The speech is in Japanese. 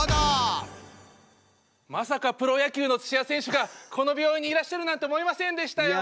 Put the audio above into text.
まさかプロ野球の土谷選手がこの病院にいらっしゃるなんて思いませんでしたよ。